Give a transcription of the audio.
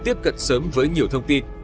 tiếp cận sớm với nhiều thông tin